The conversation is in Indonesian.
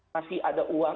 masih ada uang